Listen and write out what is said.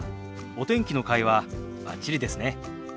お天気の会話バッチリですね。